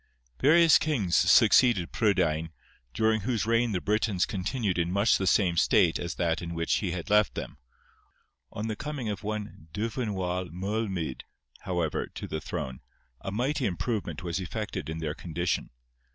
Various kings succeeded Prydain, during whose reigns the Britons continued in much the same state as that in which he had left them; on the coming of one Dyfnwal Moelmud, however, to the throne, a mighty improvement was effected in their condition.